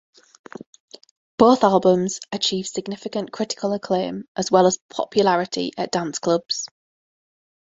Both albums achieved significant critical acclaim as well as popularity at dance clubs.